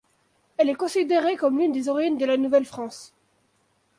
Elle est considérée comme l'une des héroïnes de la Nouvelle-France.